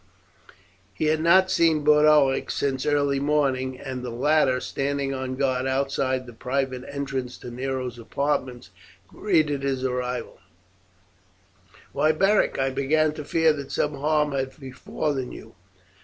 He had not seen Boduoc since early morning, and the latter, standing on guard outside the private entrance to Nero's apartments, greeted his arrival, "Why, Beric, I began to fear that some harm had befallen you.